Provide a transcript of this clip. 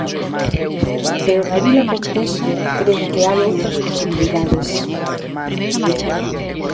Pero na vila pontesa cren que é hai outras posibilidades.